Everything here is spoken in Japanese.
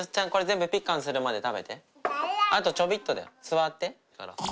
あとちょびっとだよ座って。